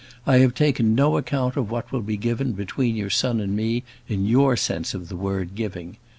I have taken no account of what will be given between your son and me in your sense of the word giving.